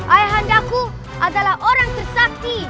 ayah anda aku adalah orang tersakti